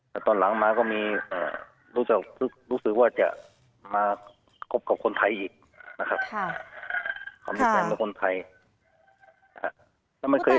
แต่ตอนหลังมาก็มีรู้สึกว่าจะมาคบกับคนไทยอีกนะครับเขามีแฟนเป็นคนไทย